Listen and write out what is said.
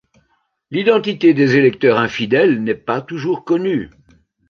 L'identité des électeurs infidèles n'est pas toujours connue.